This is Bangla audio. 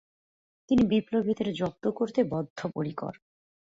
তিনি বিপ্লবীদের জব্দ করতে বদ্ধপরিকর।